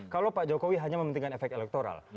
kalau pak jokowi hanya mementingkan efek elektoral